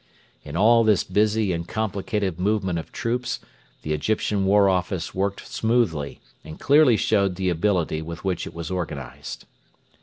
In all this busy and complicated movement of troops the Egyptian War Office worked smoothly, and clearly showed the ability with which it was organised.